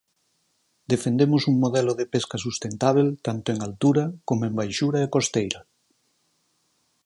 Defendemos un modelo de pesca sustentábel tanto en altura coma en baixura e costeira.